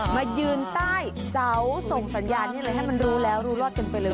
มายืนใต้เสาส่งสัญญาณนี่เลยให้มันรู้แล้วรู้รอดกันไปเลย